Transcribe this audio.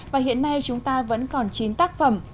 và hiện nay chúng ta vẫn còn chín tác phẩm